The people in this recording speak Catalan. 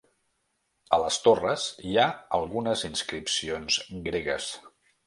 A les torres hi ha algunes inscripcions gregues.